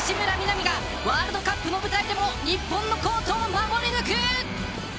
美がワールドカップの舞台でも日本のコートを守り抜く。